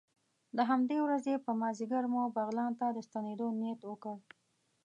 د همدې ورځې په مازدیګر مو بغلان ته د ستنېدو نیت وکړ.